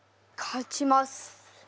勝ちますか！